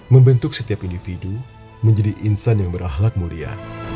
membentuk setiap individu menjadi insan yang berahlak mulia